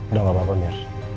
udah gapapa mir